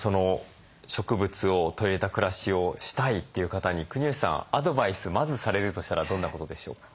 植物を取り入れた暮らしをしたいという方に国吉さんアドバイスまずされるとしたらどんなことでしょうか？